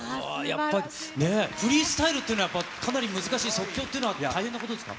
やっぱり、フリースタイルっていうのは、やっぱかなり難しい、即興というのは大変なことですか？